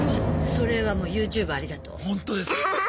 それはもうＹｏｕＴｕｂｅありがとう。ほんとです。